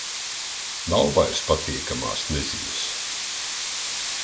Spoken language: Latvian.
Nav vairs patīkamās neziņas.